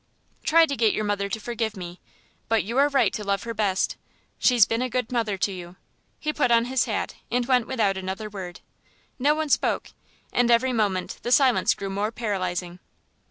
"Try to get your mother to forgive me; but you are right to love her best. She's been a good mother to you." He put on his hat and went without another word. No one spoke, and every moment the silence grew more paralysing.